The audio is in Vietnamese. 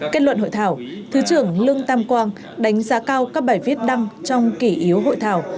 kết luận hội thảo thứ trưởng lương tam quang đánh giá cao các bài viết đăng trong kỷ yếu hội thảo